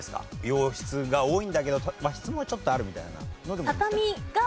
洋室が多いんだけど和室もちょっとあるみたいなのでもいいんですか？